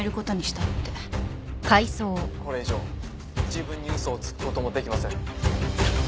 これ以上自分に嘘をつくこともできません。